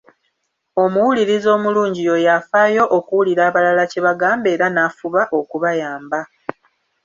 Omuwuliriza omulungi y’oyo afaayo okuwulira abalala kye bagamba era n’afuba okubayamba.